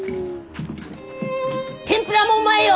天ぷらもうまいよ！